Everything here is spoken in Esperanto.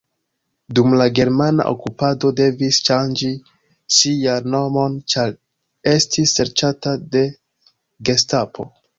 Dum la germana okupado devis ŝanĝi sian nomon ĉar estis serĉata de gestapo.